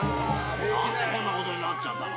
なんでこんなことになっちゃったの？